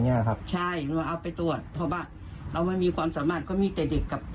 ยากก็ไปไอ้แม่เข้าไปตรวจเข้าดูครัวหลานเข้า